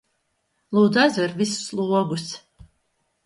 Lūdzu aizver visus logus